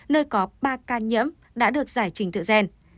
nơi có ba ca nhiễm đã được giải trình tự gen